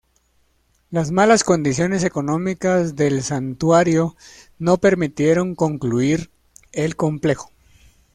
Las malas condiciones económicas del Santuario no permitieron concluir el complejo.